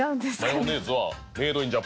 マヨネーズはメイド・イン・ジャパン？